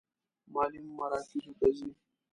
مالي مراکزو ته ځي.